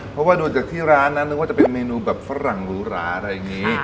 เพราะว่าดูจากที่ร้านนั้นนึกว่าจะเป็นเมนูแบบฝรั่งหรูหราอะไรอย่างนี้